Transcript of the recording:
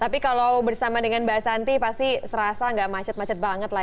tapi kalau bersama dengan mbak santi pasti serasa gak macet macet banget lah